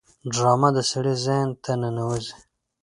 ډرامه د سړي ذهن ته ننوزي